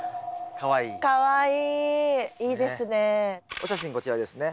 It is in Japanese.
お写真こちらですね。